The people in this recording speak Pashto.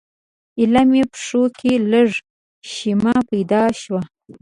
ایله مې پښو کې لږه شیمه پیدا شوه.